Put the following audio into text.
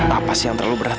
apa sih yang terlalu berat